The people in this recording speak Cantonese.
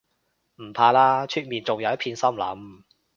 唔怕啦，出面仲有一片森林